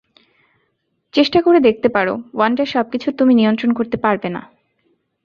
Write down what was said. চেষ্টা করে দেখতে পারো, ওয়ান্ডা, সবকিছু তুমি নিয়ন্ত্রণ করতে পারবে না।